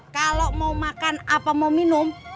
kalau mau makan apa mau minum